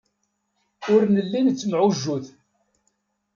Ur nelli nettemɛujjut.